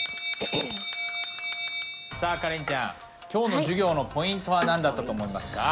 さあカレンちゃん今日の授業のポイントは何だったと思いますか？